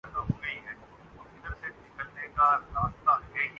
تو کسی اور سوچ کی خاک فرصت ملے گی۔